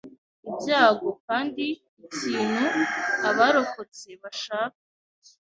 ibyago kandi ikintu abarokotse bashaka